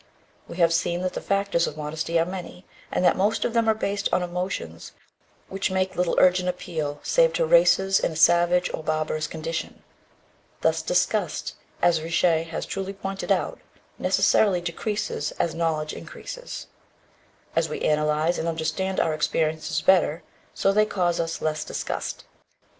We have seen that the factors of modesty are many, and that most of them are based on emotions which make little urgent appeal save to races in a savage or barbarous condition. Thus, disgust, as Richet has truly pointed out, necessarily decreases as knowledge increases. As we analyze and understand our experiences better, so they cause us less disgust.